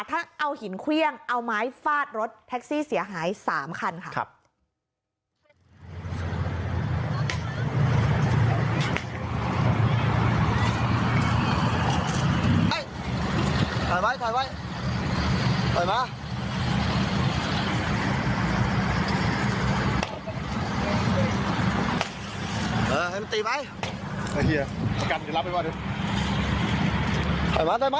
ถ้าเอาหินเครื่องเอาไม้ฟาดรถแท็กซี่เสียหาย๓คันค่ะ